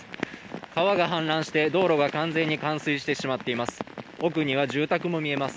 川が氾濫して道路が完全に冠水してしまっています。